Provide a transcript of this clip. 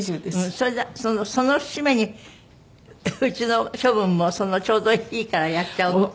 それでその節目に家の処分もちょうどいいからやっちゃおうって？